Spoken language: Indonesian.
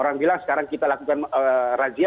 orang bilang sekarang kita lakukan razia